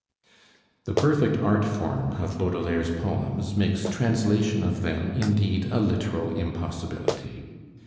The perfect art form of Baudelaire's poems makes translation of them indeed a literal impossibility.